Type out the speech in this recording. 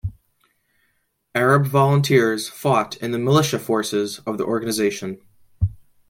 Arab volunteers fought in the militia forces of the organisation.